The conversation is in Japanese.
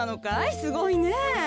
すごいねえ。